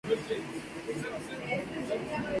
Así continuaron hasta la partida de James.